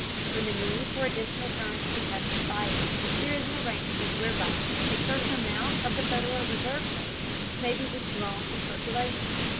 When the need for additional currency has subsided, there is an arrangement whereby a certain amount of the Federal Reserve notes may be withdrawn from circulation.